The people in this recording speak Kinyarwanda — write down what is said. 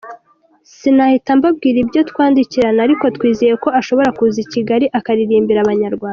Sinahita mbabwira ibyo twandikirana ariko twizeye ko ashobora kuza i Kigali akaririmbira Abanyarwanda.